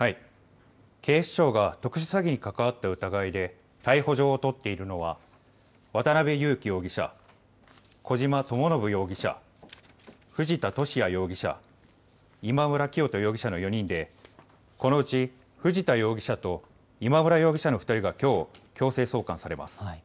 警視庁が特殊詐欺に関わった疑いで逮捕状を取っているのは渡邉優樹容疑者、小島智信容疑者、藤田聖也容疑者、今村磨人容疑者の４人でこのうち藤田容疑者と今村容疑者の２人がきょう、強制送還されます。